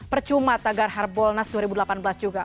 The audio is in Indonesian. percuma tagar harbolnas dua ribu delapan belas juga